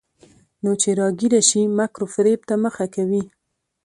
نو چې راګېره شي، مکر وفرېب ته مخه کوي.